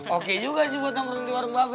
oke juga sih buat nongkrong di warung babi